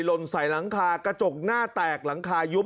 หล่นใส่หลังคากระจกหน้าแตกหลังคายุบ